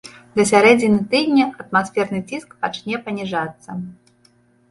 Да сярэдзіны тыдня атмасферны ціск пачне паніжацца.